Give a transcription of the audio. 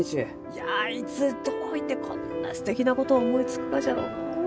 いやいつどういてこんなすてきなことを思いつくがじゃろうのう？